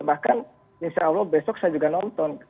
bahkan insya allah besok saya juga nonton